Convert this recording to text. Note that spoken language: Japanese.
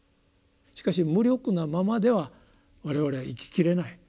しかし無力なままでは我々は生き切れない。